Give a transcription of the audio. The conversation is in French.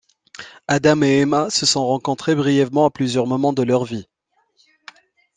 Adam et Emma se sont rencontrés brièvement à plusieurs moments de leur vie.